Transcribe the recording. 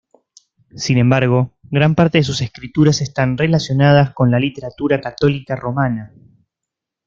Sin embargo, gran parte de sus escrituras están relacionadas con la literatura católica romana.